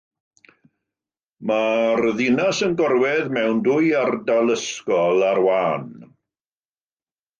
Mae'r ddinas yn gorwedd mewn dwy ardal ysgol ar wahân.